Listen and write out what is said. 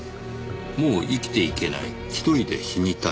「もう生きていけない」「一人で死にたい」